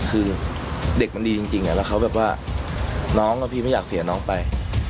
คือเด็กมันดีจริงแล้วเขาแบบว่าน้องพี่ไม่อยากเสียน้องไป